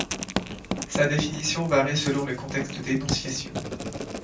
Sa définition varie selon les contextes d'énonciation.